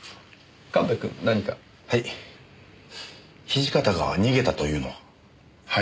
土方が逃げたというのは？